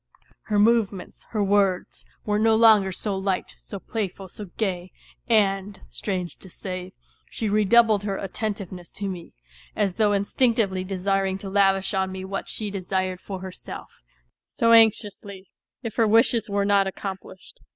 Her movements, her words, were no longer so light, so playful, so gay; and, strange to say, she redoubled her attentiveness to me, as though instinctively desiring to lavish on me what she desired for herself so anxiously, if her wishes were not accomplished.